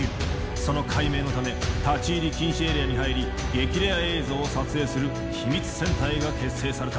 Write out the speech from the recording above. その解明のため立ち入り禁止エリアに入り激レア映像を撮影する秘密戦隊が結成された。